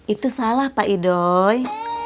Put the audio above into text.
itu salah pak idoy